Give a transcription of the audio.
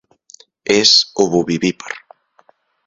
És ovovivípar.